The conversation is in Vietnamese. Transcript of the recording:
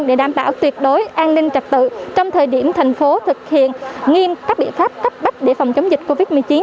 để đảm bảo tuyệt đối an ninh trật tự trong thời điểm thành phố thực hiện nghiêm các biện pháp cấp bách để phòng chống dịch covid một mươi chín